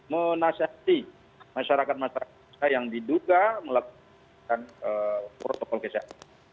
menasihati masyarakat masyarakat yang diduga melakukan protokol kesatuan